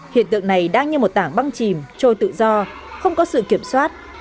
hiện tượng này đang như một tảng băng chìm trôi tự do không có sự kiểm soát